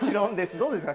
どうですか？